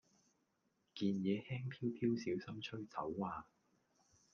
件野輕飄飄小心吹走呀